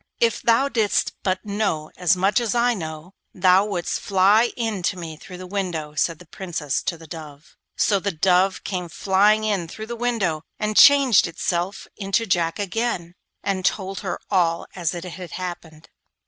'If thou didst but know as much as I know, thou wouldst fly in to me through the window,' said the Princess to the dove. So the dove came flying in through the window and changed itself into Jack again, and told her all as it had happened.